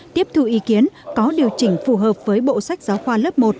tiếp thu ý kiến có điều chỉnh phù hợp với bộ sách giáo khoa lớp một